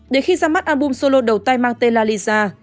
để khi ra mắt album solo đầu tay mang tên lalisa